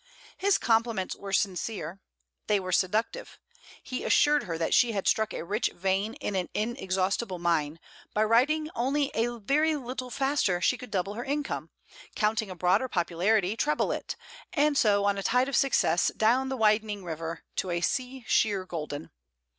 His compliments were sincere; they were seductive. He assured her that she had struck a rich vein in an inexhaustible mine; by writing only a very little faster she could double her income; counting a broader popularity, treble it; and so on a tide of success down the widening river to a sea sheer golden.